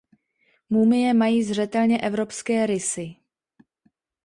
Mumie mají zřetelně evropské rysy.